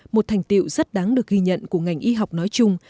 một thành tiệu rất đáng được ghi nhận của ngành y học nói chung